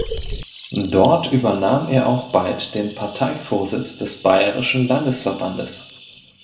Dort übernahm er auch bald den Parteivorsitz des bayerischen Landesverbandes.